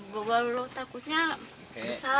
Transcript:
kita takutnya besar